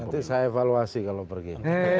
nanti saya evaluasi kalau pergi